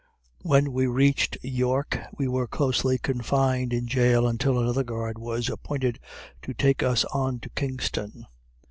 When we reached York, we were closely confined in jail until another guard was appointed to take us on to Kingston.